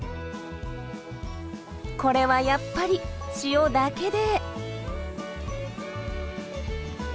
これはやっぱり塩だけで。